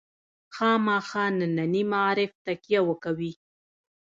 خامخا ننني معارف تکیه وکوي.